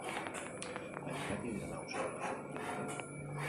Baina zergatik dira nagusi horrelako jarrerak?